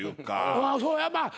そうやまあ